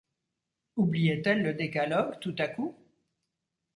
Oubliait-elle le décalogue, tout à coup ?